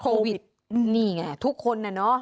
โควิดนี่ไงทุกคนน่ะเนอะ